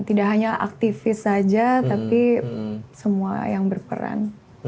tidak hanya aktivis saja tapi semua yang berperan